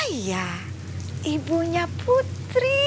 oh iya ibunya putri